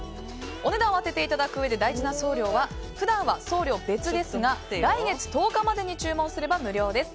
お値段を当てていただくうえで大事な送料は普段は送料別ですが来月１０日までに注文すれば無料です。